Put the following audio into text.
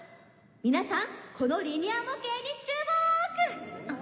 皆さんこのリニア模型に注目！